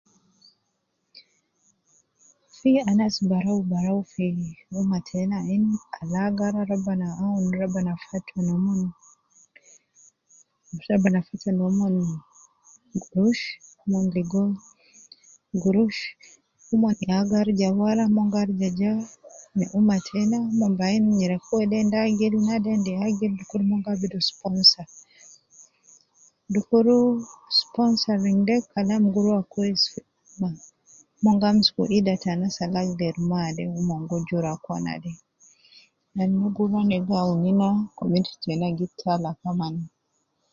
Fi anas barawu barawu fi umma tenna al agara, rabbana fata noomon logo gurush. Umon ya gi arija wara . Umon, gi arija wara na umma tenna, umon gi ayin nyereku wede endis agil , nade endis agil dukur umon gi abidu sponsor. Dukur sponsoring de kalam guruwa kwes, umon gi amsuku ida ta anas al agideri maade, umon gi juru akwana de. Umon gi awun ma community yenna.